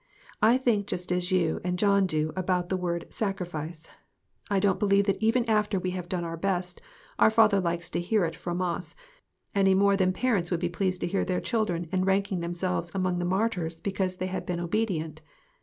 I think just as you and John do about the word "sacrifice." I don't believe that even after we have done our best our Father likes to hear it from us, any more than parents would be pleased to hear their children ranking themselves among the martyrs because they had been obedient.